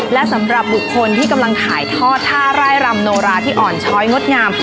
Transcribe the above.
และสำหรับบุคคลที่กำลังถ่ายทอดท่าร่ายรำโนราที่อ่อนช้อยงดงาม